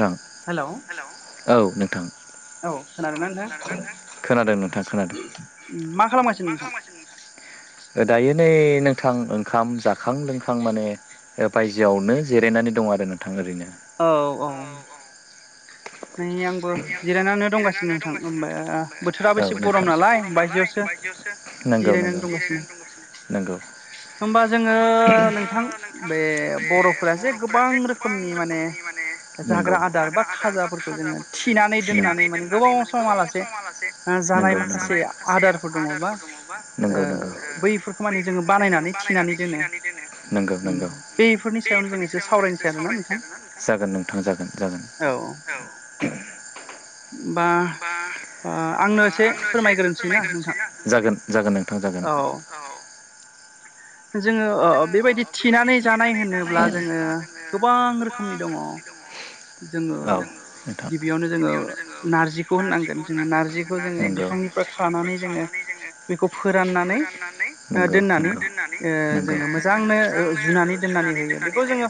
थां हेलौ औ नोंथां औ खोनादोंना नोंथां खोनादों नोंथां खोनादों मा खालामगासिनो नोंथां ओ दायो नै नोंथां ओंखाम जाखां लोंखां माने ओ बायजोआवनो जिरायनानै दं आरो नोंथां ओरैनो औ औ नै आंबो जिरायनानैनो दंगासिनो नोंथां ओमबा बोथोराबो औ एसे गरम नोंथां नालाय बायजोआवसो नंगौ नंगौ जिरायनानै दंगासिनो नंगौ होमबा जोङो नोंथां बे बर'फोरा जे गोबां रोखोमनि माने ने नंगौ नंगौ जाग्रा आदार बा खाजाफोरखौ जोङो थिनानै दोननानै माने गोबाव समहा लासे जानाय नंगौ नंगौ माखासे आदारफोर दङ बा नंगौ नंगौ बैफोरखौ माने जोङो बानायनानै थिनानै दोनो उम नंगौ बैफोरनि सायावनो जों एसे सावरायनोसै आरोना नोंथां जागोन नोंथां जागोन जागोन औ औ बा ओ आंनो एसे फोरमायग्रोनोसै ना नोंथां जागोन जागोन नोंथां जागोन औ जोङो ओ बेबायदि थिनानै जानाय होनोब्ला जोङो गोबां रोखोमनि दङ जोङो नोंथां गिबियावनो जोङो नारजिखौ होननांगोन जोङो नारजिखौ जोङो बिफां निफ्राय खानानै जोङो बिखौ फोराननानै ओ नंगौ दोननानै ओ ओ जोङो मोजांनो जुनानै दोननानै होयो बेखौ जोङो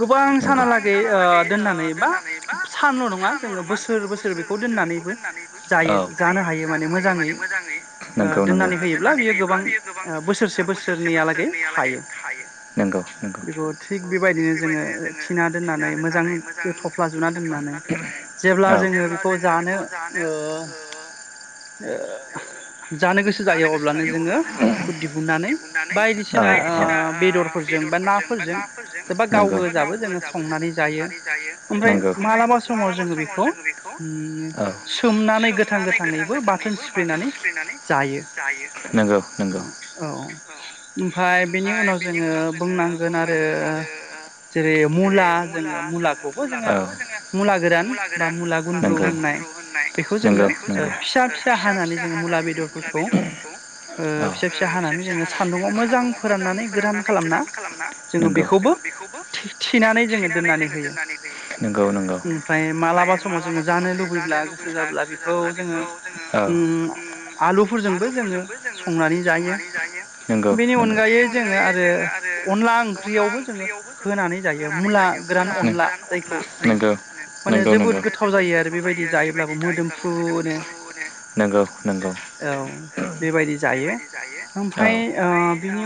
गोबां नंगौ सानालागै ओ दोननानै बा सानल' नङा जोङो बोसोर बोसोर बेखौ दोननानैबो जायो जानो हायो हायो माने मोजाङै ओ नंगौ नंगौ दोननानै होयोब्ला बेयो गोबां ओ बोसोरसे बोसोरनैया लागै गे‌ थायो नंगौ नंगौ बेखौ थिग बेबायदिनो जोङो थिना दोननानै मोजां थफ्ला जुना दोननानै जेब्ला औ जोङो बेखौ जानो ओ ओ जानो गोसो जायो अब्लानो जोङो बेखौ दिहुननानै बा बायदिसिना ओ बेदरफोरजों बा नाफोरजों एबा गाव गोजाबो जोङो संनानै जायो ओमफ्राय मालाबा समाव जोङो बेखौ सोमनानै गोथां गोथाङै नैबो बाथोन सिफ्लेनानै जायो नंगौ नंगौ औ ओमफाय बेनि उनाव जोङो बुंनांगोन आरो जेरै मुला जोङो मुला औ मुला गोरान बा मुला गुन्द्रु होननाय होननाय बेखौ नोंगौ जोङो ओ नोंगौ फिसा फिसा जोङो हानानै जों मुला बेदरफोरखौ बेदर बेखौ औ फिसा फिसा हानानै जोङो सानदुङाव मोजां फोराननानै गोरान खालामना जोङो नोंगौ बेखौबो जोङो बेखौबो थि थिनानै जोङो थिनानै जोङो होयो दोननानै नंगौ नंगौ ओमफ्राय मालाबा समाव जोङो जानो लुबैब्ला गोसो जाब्ला बेखौ जोङो औ उम आलुफोरजोंबो जोङो संनानै जायो नंगौ नंगौ बेनि अनगायै जोङो आरो अनला अनला जोङो ओंख्रियावबो जोङो होनानै होनानै मुला जायो गोरान अनला जाय नंगौ नंगौ नंगौ माने जोबोद आरो गोथाव जायो बेबायदि आरो बेबायदि जायोब्लाबो मोदोमफ्रुनो मोदोमफ्रुनो नोंगौ नोंगौ औ बेबायदि जायो जायो ओमफाय ओ बिनि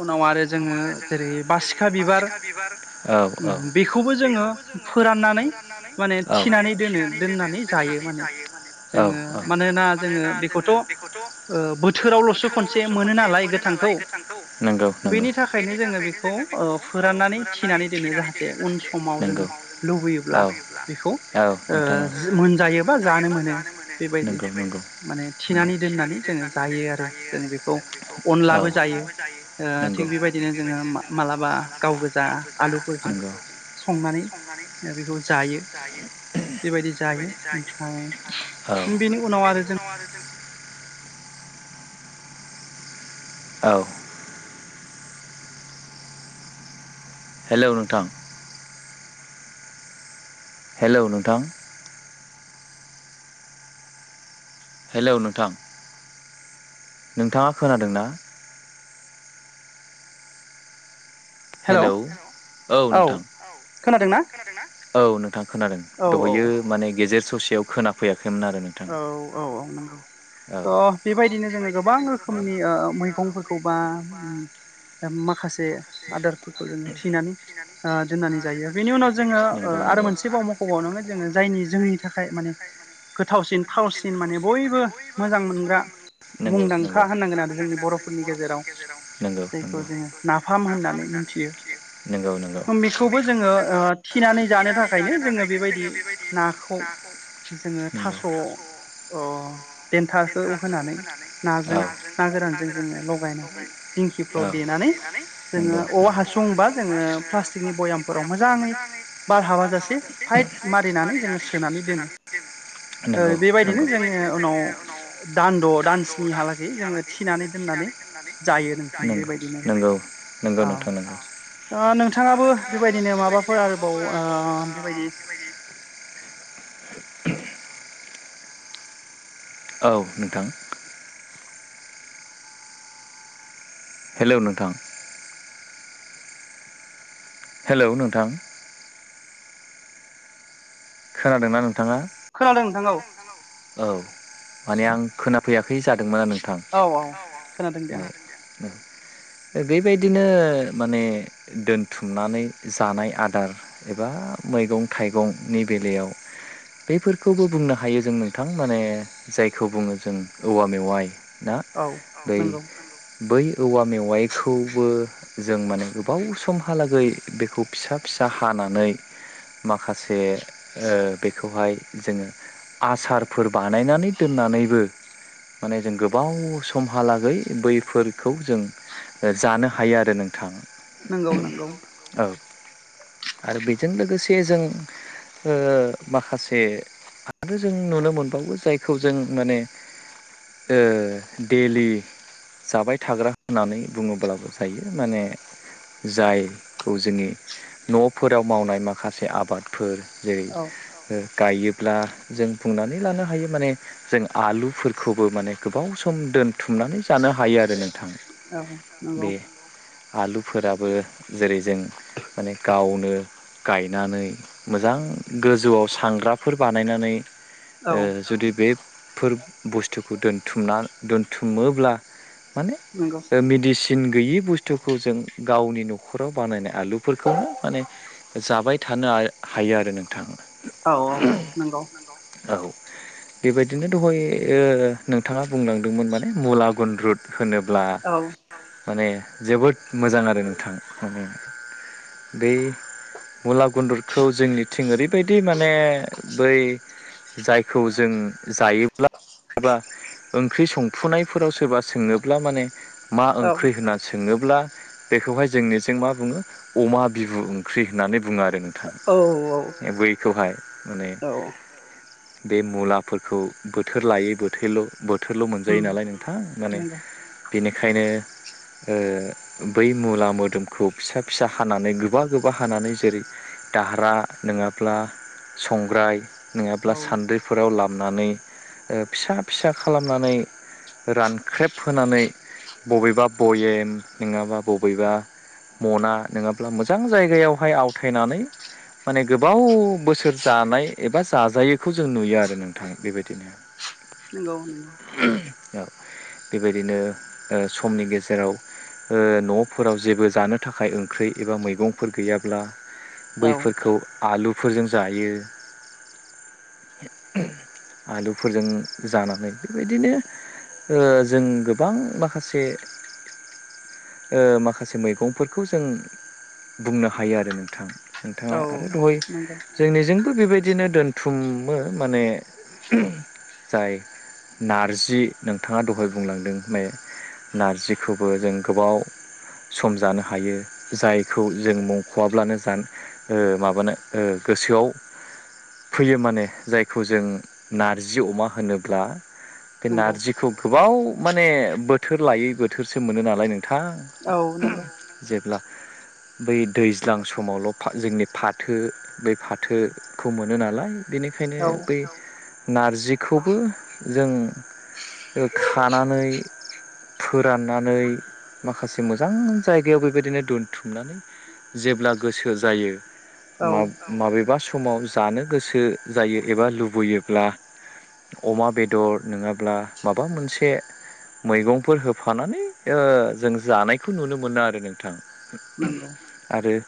उनाव आरो जोङो जेरै बासिखा बिबार औ औ बेखौबो जोङो फोराननानै माने थिनानै दोनो दोननानै जायो माने औ जोङो औ माने नोना जोङो बेखौथ' ओ बोथोरावल'सो खनसे मोनो नालाय गोथांखौ नंगौ नंगौ बेनि थाखायनो जोङो बेखौ ओ फोराननानै थिनानै दोननो जाहाथे उन समाव जोङो लुबैयोब्ला समाव बेखौ जों ओ मोनजायो बा जानो मोनो लुबैयोब्ला बेबायदि नंगौ नंगौ माने नंगौ थिनानै दोननानै जोङो जायो आरो जों बेखौ औ अनलाबो जायो ओ नंगौ थिग बेबायदिनो जोङो मालाबा गाव गोजा आलु आलुया संनानै बेखौ जायो बेबायदि जायो ओमफ्राय बेनि उनाव आरो जों औ हेलौ नोंथां हेलौ नोंथां हेलौ नोंथां नोंथाङा खोनादों ना? हेल' हेलौ औ औ नोंथां खोनादोंना खोनादों ना? औ नोंथां खोनादों औ औ दहयो माने गेजेर ससेयाव खोनाफैयाखै नोंथां औ औ औ नांगौ औ अ बेबायदिनो जोङो गोबां रोखोमनि ओ मैगंफोरखौ बा माखासे जे आदारफोरखौ जोङो थिनानै दोननानै जायो बेनि उनाव ओ जोङो आरो मोनसे बाव मख'बावनांगोन जोङो जायनि जोंनि थाखाय माने गोथावसिन थावसिन माने बयबो मोजां मोनग्रा नंगौ मुंदांखा नंगौ होननांगोन आरो जोंनि बर'फोरनि गेजेराव नंगौ जायखौ नंगौ जोङो नाफाम होननानै मिथियो नंगौ नंगौ ओ बेखौबो जोङो थिनानै जानो थाखायनो जोङो बे बेबायदि नाखौ जोङो नंगौ थास' अ देनथाखौ होनानै औ नाजों ना गोरानजों जोङो लगायनानै दिंखिफ्राव औ देनानै जोङो नंगौ नंगौ औवा हासुंबा जोङो प्लास्टिकनि बयामफोराव मोजाङै बार हाबा जासे थाइट मारिनानै जोङो सोनानै दोनो नंगौ बेबायदिनो जोङो उनाव दानद' दान सिनिहालागै जोङो थिनानै दोननानै जायो नोंथां बेबायदिनो नोंगौ औ नोंथो नोंगौ ओ नोंथाङाबो बेबायदिनो माबाफोर आरोबाव ओ बेबायदि [inaudible] [unintelligible] औ नोंथां हेलौ नोंथां हेलौ नोंथां खोनादोंना नोंथाङा खोनादों नोंथां औ औ माने आं खोनाफैयाखै जादोंमोन आरो औ औ खोनादों दे आं [inaudible] बेबायदिनो माने दोनथुमनानै जानाय आदार एबा मैगं-थाइगंनि बेलायाव बेफोरखौबो बुंनो हायो जों नों नोंथां माने जायखौ बुङो जों औवा मेवाइ ना औ बै नंगौ बै औवा मेवाइखौबो जों माने गोबाव समहालागै बेखौ फिसा फिसा सा हानानै माखासे ओ बेखौहाय जोङो आसार फोर बानायनानै दोननानैबो माने जों गोबाव समहालागै बैफोरखौ जों जानो हायो आरो नोंथां। नंगौ नंगौ औ आरो बेजों लोगोसे जों माखासे आरो जों नुनो मोनबावो जायखौ जों माने ओ दैलि जाबाय थाग्रा होननानै बुङोब्लाबो जायो माने जायखौ जोंनि न'फोराव मावनाय माखासे आबादफोर जेरै औ गायोब्ला जों बुंनानै नानै लानो हायो माने जों आलुफोरखौबो माने गोबाव सम दोनथुमनानै जानो हायो आरो नों औ नंगौ बे आलुफोराबो जेरै जों माने गावनो गायनानै मोजां गोजौआव सांग्राफोर बानायनानै औ जुदि बेफोर बुस्थुखौ दोनथुमना दोनथुमोब्ला माने नंगौ मेडिसिन गैयि बुस्थुखौ जों गावनि न'खराव बानायनाय आलुफोरखौनो माने जाबाय थानो हायो आरो नोंथां। औ औ नंगौ औ बेबायदिनो दहाय नोंथाङा बुंलांदोंमोन माने मुला गुनरुद होनोब्ला औ माने जोबोद मोजां आरो नोंथाङा माने बै मुला गुन्दुरखौ जोंनिथिं ओरैबायदि माने बै जायखौ जों जायोब्ला सोरबा ओंख्रि संफुनायफोराव सोरबा सोङोब्ला माने मा औ ओंख्रि होननानै सोङोब्ला बेखौहाय जोंनिथिजों मा बुङो अमा बिबुओंख्रि होननानै बुङो आरो औ औ बैखौहाय माने औ बे मुलाफोरखौ बोथोर लायै बोथोरल' बोथोर बोथोरल' मोनजायो उम नालाय नोंथां नंगौ बेनिखायनो बै मुला मोदोमखौ फिसा फिसा हानानै गोबा गोबा हानानै जेरै दाहारा नङाब्ला संग्राय नङा ब्ला औ सान्द्रिफोराव लामनानै फिसा फिसा खालामनानै रानख्रेबहोनानै बबेबा भयेम नङाबा बबेबा मना नङाब्ला मोजां जायगायावहाय आवथायनानै माने गोबाव बोसोर जानाय एबा जाजायो बेखौ जों नुयो आरो नोंथाङ बेबायदिनो। नंगौ नंगौ औ बेबायदिनो समनि गेजेराव न'फोराव जेबो जानो थाखाय ओंख्रि एबा मैगंफोर गैयाब्ला औ बैफोरखौ आलुफोरजों जायो। [inaudible] आलुफोरजों जानानै बेबायदिनो जों गोबां माखासे माखासे मैगंफोरखौ जों बुंनो हायो आरो नोंथां नोंथाङा औ आरो दहय नंगौ जोंनिजोंबो बेबायदिनो दोन थुमो माने जाय नारजि नोंथाङा दहाय बुंलांदों नारजिखौबो जों गोबाव सम जानो हायो जायखौ जों मख'वाब्लानो माबानो ओ गोसोआव [inaudible] फैयो माने जायखौ जों नारजि अमा होनोब्ला बे नंगौ नारजिखौ गोबाव माने बोथोर लायै बोथोरसो मोनो नालाय नोंथां औ नंगौ जेब्ला बै दैज्लां समावल जोंनि फाथो बै फाथोखौ मोन मोनो नालाय बेनिखायनो औ बै नारजिखौबो जों खानानै फोराननानै माखासे मोजां जायगायाव बेबायदिनो दोनथुमनानै जेब्ला गोसो जायो औ माबेबा समाव जानो गोसो जायो एबा लुबैयोब्ला अमा बेदर नङाब्ला माबा मोनसे मैगंफोर होफानानै ओ जों जानायखौ नुनो मोनो आरो नोंथां नंगौ आरो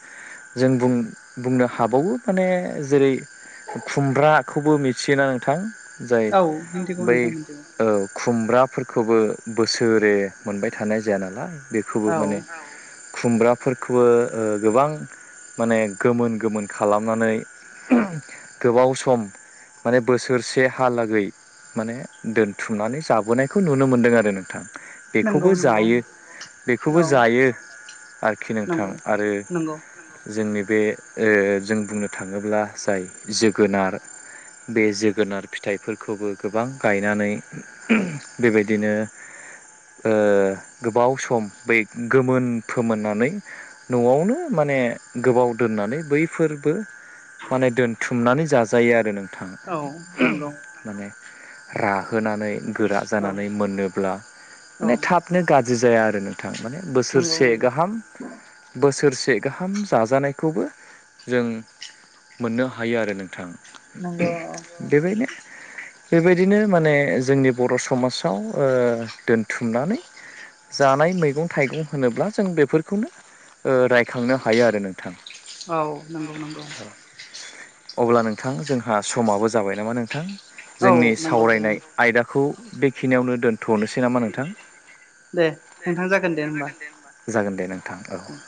जों बुं बुंनो हाबावो माने जेरै खुमब्राखौबो मिथियोना नोंथां जाय औ मिथिगौ बै नोंथां मिथिगौ खुमब्रा खौबो बोसोरे मोनबाय थानाय जाया नालाय बेखौबो औ माने खुमब्राफोरखौबो ओ गोबां माने गोमोन गोमोन खालामनानै गोबाव सम माने बोसोरसे हालागै माने दोनथुमनानै जाबोनायखौ नुनो मोन्दों आरो नोंथां नंगौ बेखौबो नंगौ जायो बेखौबो औ जायो आरोखि नोंथां नंगौ आरो नंगौ जोंनि बे ओ जों बुंनो थाङोब्ला जाय जोगोनार बे जोगोनार फिथाइफोरखौबो गोबां गायनानै बेबायदिनो ओ गोबाव सम बे गोमोन फोमोननानै नआवनो माने माने गोबाव दोननानै बैफोरबो माने दोनथुमनानै जाजायो आरो नों थां औ नंगौ माने राहोनानै गोरा औ जानानै मोनोब्ला औ माने थाबनो गाज्रि जि जाया आरो नोंथां माने नंगौ बोसोरसे नंगौ गाहाम बोसोरसे एसे गाहाम जाजानायखौबो जों मोननो हायो आरो नोंथां नंगौ बेबायनो बेबायदिनो माने जोंनि बर समाजाव ओ दोनथुमनानै जानाय मैगं थाइगं होनोब्ला जों बेफोरखौनो रायखांनो ओ हायो आरो नोंथां औ नंगौ नंगौ अब्ला नोंथां जोंहा समाबो जाबाय नामा नोंथां औ जोंनि नंगौ दे सावरायनाय आयदाखौ बेखिनियावनो दोनथ दे नोंथां जागोन दे होमबा जागोन दे नोंथां औ दे